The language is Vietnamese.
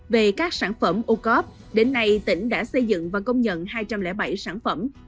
về các sản phẩm ô cớp đến nay tỉnh đã xây dựng và công nhận hai trăm linh bảy sản phẩm